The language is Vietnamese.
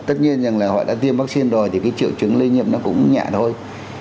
tất nhiên rằng là họ đã tiêm vaccine rồi thì cái triệu chứng lây nhiễm nó cũng nhẹ thôi